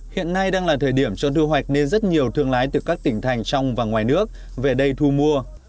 hiện nay đang là thời điểm cho thu hoạch nên rất nhiều thương lái từ các tỉnh thành trong và ngoài nước về đây thu mua